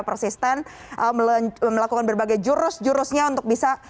persisten melakukan berbagai jurus jurusnya untuk bisa